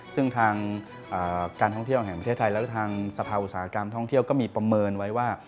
ซึ่งทางการท่องเที่ยวแห่งประเทศไทยและทางสภาอุตสาหกรรมท่องเที่ยวก็มีประเมินไว้ว่า